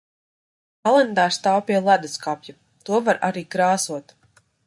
Kalendārs stāv pie ledusskapja. To var arī krāsot.